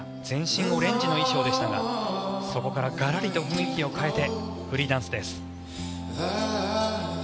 全身オレンジの衣装でしたがそこからがらりと雰囲気を変えてフリーダンスです。